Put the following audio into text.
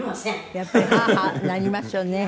やっぱりハアハアなりますよね。